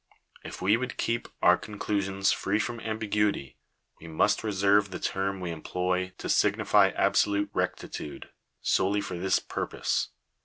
If we would keep our con f elusions free from ambiguity, we must reserve the term we em ; ploy to signify absolute rectitude, solely for this purpose.